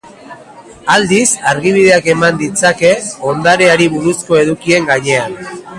Aldiz, argibideak eman ditzake ondareari buruzko edukien gainean.